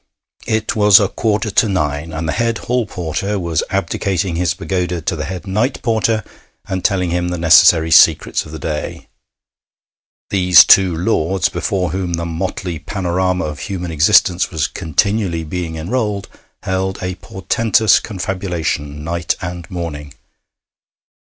It was a quarter to nine, and the head hall porter was abdicating his pagoda to the head night porter, and telling him the necessary secrets of the day. These two lords, before whom the motley panorama of human existence was continually being enrolled, held a portentous confabulation night and morning.